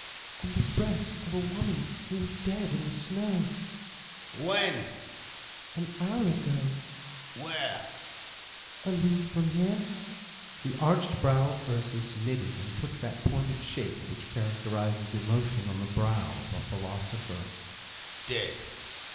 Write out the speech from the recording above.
"On the breast of a woman who was dead in the snow." "When?" "An hour ago." "Where?" "A league from here." The arched brow of Ursus knitted and took that pointed shape which characterizes emotion on the brow of a philosopher. "Dead!